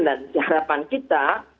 dan harapan kita